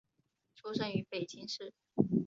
出生于北京市。